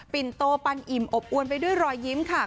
โตปันอิ่มอบอวนไปด้วยรอยยิ้มค่ะ